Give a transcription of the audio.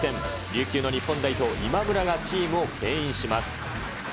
琉球の日本代表、今村がチームをけん引します。